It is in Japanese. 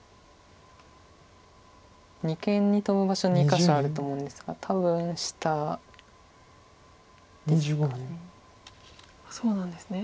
二間にトブ場所２か所あると思うんですが多分下ですかね。